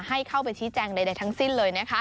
ให้เข้าไปชี้แจงใดทั้งสิ้นเลยนะคะ